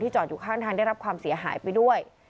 จอดอยู่ข้างทางได้รับความเสียหายไปด้วย